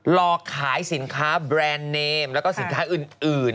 รอขายสินค้าแบรนด์เนมแล้วก็สินค้าอื่น